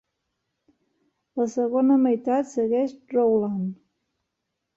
La segona meitat segueix Rowland.